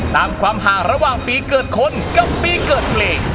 ตามความห่างระหว่างปีเกิดคนกับปีเกิดเพลง